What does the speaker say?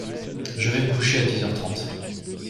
Je vais me coucher à dix heures trente.